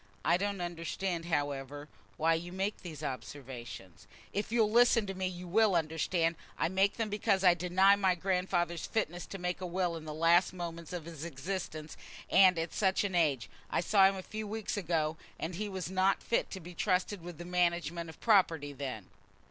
I don't understand, however, why you make these observations." "If you'll listen to me you will understand. I make them because I deny my grandfather's fitness to make a will in the last moments of his existence, and at such an age. I saw him a few weeks ago, and he was not fit to be trusted with the management of property then."